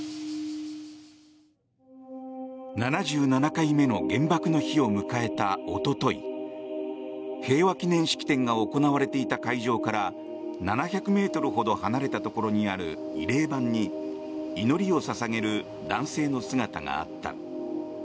７７回目の原爆の日を迎えたおととい平和記念式典が行われていた会場から７００ｍほど離れたところにある慰霊板に祈りを捧げる男性の姿があった。